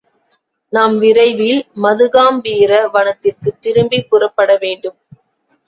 நாம் விரைவில் மதுகாம்பீர வனத்திற்குத் திரும்பிப் புறப்பட வேண்டும்.